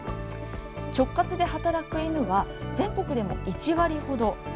直轄で働く犬は全国でも１割ほど。